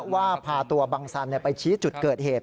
ว่าพาตัวบังสันไปชี้จุดเกิดเหตุ